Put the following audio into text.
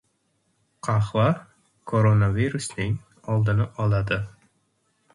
Qahva koronavirusning oldini oladi.